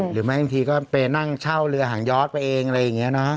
หรือไม่บางทีก็ไปนั่งเช่าเรือหางยอดไปเองอะไรอย่างนี้นะ